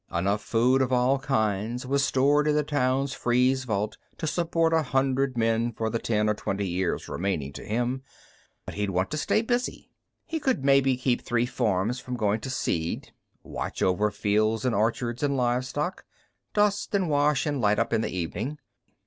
Enough food of all kinds was stored in the town's freeze vault to support a hundred men for the ten or twenty years remaining to him. But he'd want to stay busy. He could maybe keep three farms from going to seed watch over fields and orchards and livestock, repair the buildings, dust and wash and light up in the evening.